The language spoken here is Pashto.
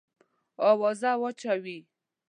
آوازه واچوې.